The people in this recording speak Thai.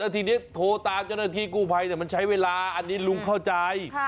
ทีนี้โทรตามเจ้าหน้าที่กู้ภัยแต่มันใช้เวลาอันนี้ลุงเข้าใจ